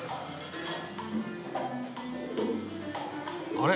あれ？